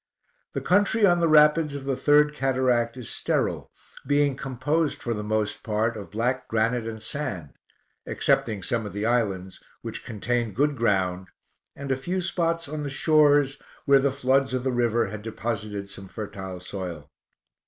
The country on the rapids of the Third Cataract is sterile, being composed, for the most part, of black granite and sand, excepting some of the islands, which contained good ground, and a few spots on the shores, where the floods of the river had deposited some fertile soil.